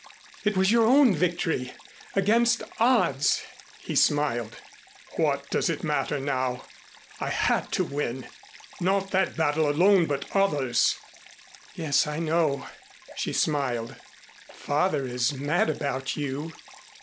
It was your own victory against odds." He smiled. "What does it matter now. I had to win not that battle alone but others." "Yes, I know," she smiled. "Father is mad about you."